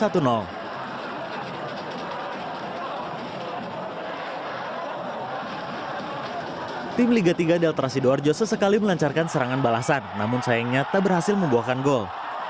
tim liga tiga delta sidoarjo sesekali melancarkan serangan balasan namun sayangnya tak berhasil membuahkan gol